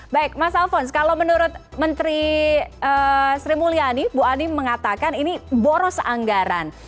baik mas alfons kalau menurut menteri sri mulyani bu ani mengatakan ini boros anggaran